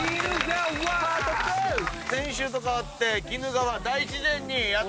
先週と変わって鬼怒川大自然にやって来ました。